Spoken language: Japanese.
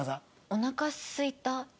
「おなかすいた」。